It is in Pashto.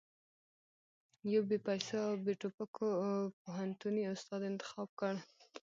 يو بې پيسو او بې ټوپکو پوهنتوني استاد انتخاب کړ.